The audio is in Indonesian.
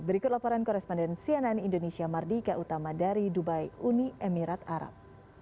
berikut laporan koresponden cnn indonesia mardika utama dari dubai uni emirat arab